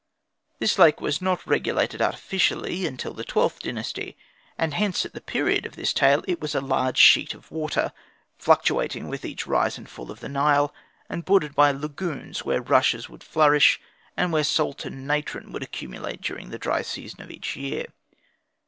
This lake was not regulated artificially until the XIIth Dynasty; and hence at the period of this tale it was a large sheet of water, fluctuating with each rise and fall of the Nile, and bordered by lagoons where rushes would flourish, and where salt and natron would accumulate daring the dry season of each year.